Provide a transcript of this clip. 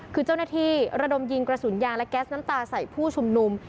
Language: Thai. คือเจ้าหน้าที่ระดมยิงกระสุนยางและแก๊สน้ำตาใส่ผู้ชุมนุม